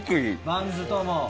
バンズとも。